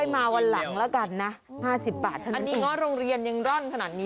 ไม่ใช่โรงเรียนอย่างงั้น